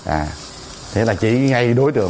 à thế là chỉ ngay đối tượng